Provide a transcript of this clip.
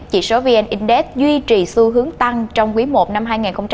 chỉ số vn index duy trì xu hướng tăng trong quý i năm hai nghìn hai mươi bốn